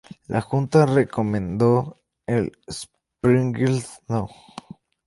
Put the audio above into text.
La junta recomendó el "Springfield No.